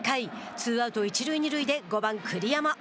ツーアウト、一塁二塁で５番栗山。